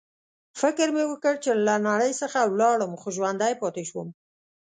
فکر مې وکړ چې له نړۍ څخه ولاړم، خو ژوندی پاتې شوم.